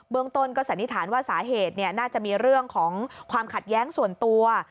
เมืองต้นก็สันนิษฐานว่าสาเหตุน่าจะมีเรื่องของความขัดแย้งส่วนตัว